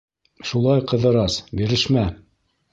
— Шулай, Ҡыҙырас, бирешмә!